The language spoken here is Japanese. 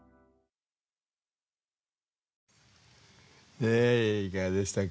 ねえいかがでしたか？